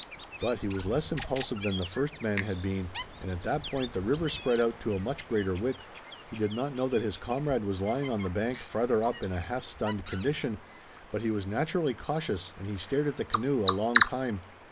But he was less impulsive than the first man had been and at that point the river spread out to a much greater width. He did not know that his comrade was lying on the bank farther up in a half stunned condition, but he was naturally cautious and he stared at the canoe a long time.